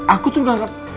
aku tuh gak ngerti